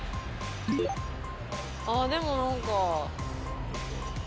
あっでも何か。